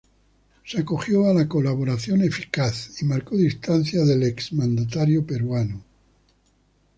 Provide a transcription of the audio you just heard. Se Acogió a la Colaboración Eficaz y marcó distancia del Ex Mandatario Peruano.